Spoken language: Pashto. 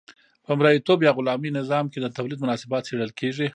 په مرئیتوب یا غلامي نظام کې د تولید مناسبات څیړل کیږي.